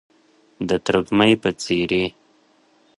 د ترږمۍ په څیرې،